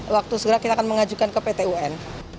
waktu segera kita akan mengajukan ke pt un